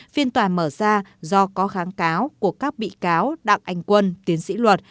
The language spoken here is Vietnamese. phiên tòa mở ra do có kháng cáo của các bị cáo đặng anh quân tiến sĩ luật